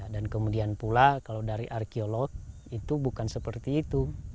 dan kemudian pula kalau dari arkeolog itu bukan seperti itu